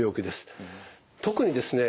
特にですね